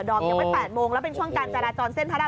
อมยังไม่๘โมงแล้วเป็นช่วงการจราจรเส้นพระราม